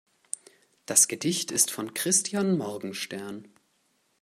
Das Gedicht ist von Christian Morgenstern.